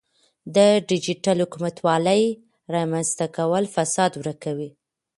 د ډیجیټل حکومتولۍ رامنځته کول فساد ورکوي.